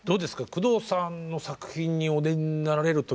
宮藤さんの作品にお出になられる時というのは？